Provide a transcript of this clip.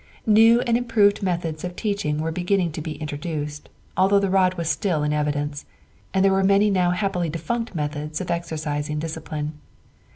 New and improved methods of teaching were beginning to be introduced, although the rod was still in evidence, and there were many now happily defunct methods of exercising discipline.